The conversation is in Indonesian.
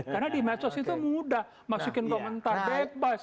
karena di medsos itu mudah masukin komentar bebas